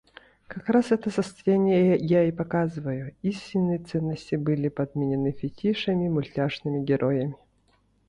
Как раз это состояние я и показываю, истинные ценности были подменены фетишами, мультяшными героями.